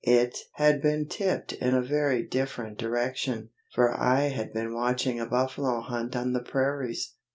It had been tipped in a very different direction, for I had been watching a buffalo hunt on the prairies.